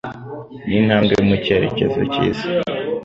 Ni intambwe mu cyerekezo cyiza.